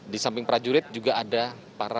di samping prajurit juga ada para